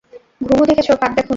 ঘুঘু দেখেছ, ফাঁদ দেখনি।